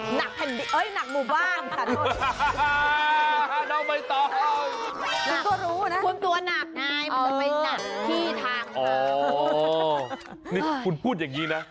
หนักเห็นดีเอ้ยหนักหมู่บ้านขาโทษ